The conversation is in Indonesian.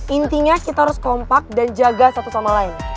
intinya kita harus kompak dan jaga satu sama lain